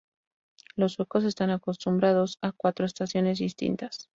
Los suecos están acostumbrados a cuatro estaciones distintas.